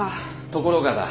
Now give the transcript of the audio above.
ところがだ。